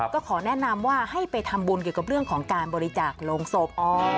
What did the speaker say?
ก็ขอแนะนำว่าให้ไปทำบุญเกี่ยวกับเรื่องของการบริจาคโรงศพ